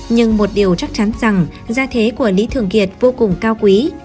nhưng một điều chắc chắn rằng gia thế của lý thường kiệt vô cùng cao quý